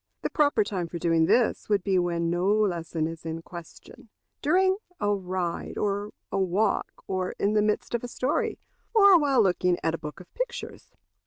The proper time for doing this would be when no lesson is in question during a ride or a walk, or in the midst of a story, or while looking at a book of pictures.